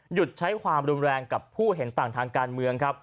ใช้ความรุนแรงกับผู้เห็นต่างทางการเมืองครับ